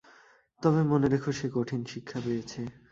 তবে মনে রেখো, সে কঠিন শিক্ষা পেয়েছে।